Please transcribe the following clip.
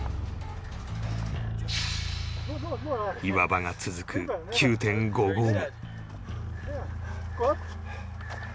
岩場が続く ９．５ 合目